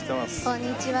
こんにちは。